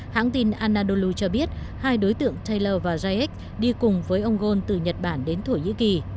hãng tin anadolu cho biết hai đối tượng tele và jack đi cùng với ông ghosn từ nhật bản đến thổ nhĩ kỳ